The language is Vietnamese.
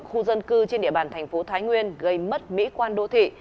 khu dân cư trên địa bàn thành phố thái nguyên gây mất mỹ quan đô thị